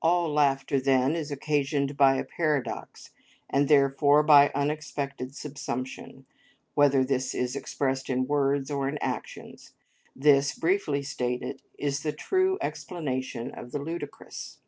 All laughter then is occasioned by a paradox, and therefore by unexpected subsumption, whether this is expressed in words or in actions. This, briefly stated, is the true explanation of the ludicrous.